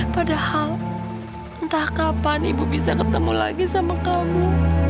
padahal entah kapan ibu bisa ketemu lagi sama kamu